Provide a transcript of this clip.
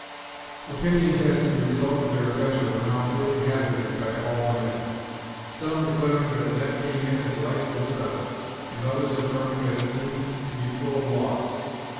Opinions as to the result of their adventure were now freely hazarded by all the men, some declaring that the net came in as light as a feather, and others affirming that it seemed to be full of logs.